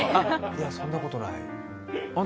いや、そんなことない。